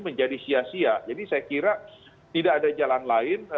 menjadi sia sia jadi saya kira tidak ada jalan lain